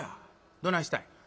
どないしたん？